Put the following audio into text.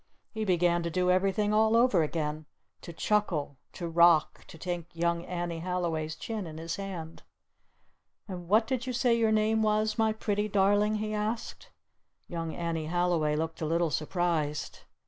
He began to do everything all over again! To chuckle! To rock! To take Young Annie Halliway's chin in his hand! "And what did you say your name was, my pretty darling?" he asked. Young Annie Halliway looked a little surprised.